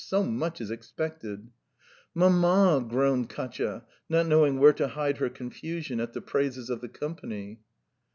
So much is expected ..." "Mamma!" groaned Katya, not knowing where to hide her confusion at the praises of the company.